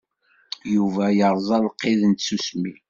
Yuba yeṛẓa lqid n tsusmi.